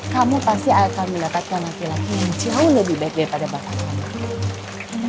kamu pasti akan mendapatkan laki laki yang jauh lebih baik daripada bapak